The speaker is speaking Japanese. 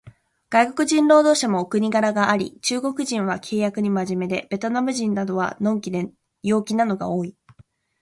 外国人労働者もお国柄があり、中国人は契約に真面目で、ベトナムなどは呑気で陽気なのが多い